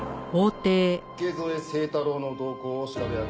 池添清太郎の動向を調べ上げ。